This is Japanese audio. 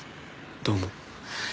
どうも。